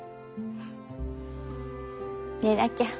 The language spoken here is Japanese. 寝なきゃ。